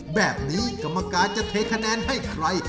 แบบนี้กรรมการจะเทคะแนนให้ใคร